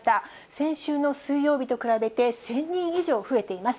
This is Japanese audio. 先週の水曜日と比べて１０００人以上増えています。